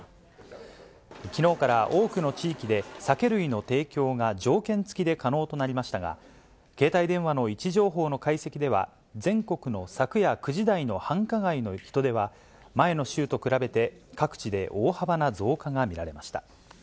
きのうから多くの地域で、酒類の提供が条件付きで可能となりましたが、携帯電話の位置情報の解析では、全国の昨夜９時台の繁華街の人出は、前の週と比べて、各地で大幅な増加が見られました。